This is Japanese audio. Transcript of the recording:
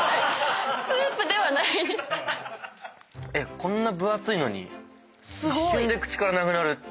こんな分厚いのに一瞬で口からなくなる。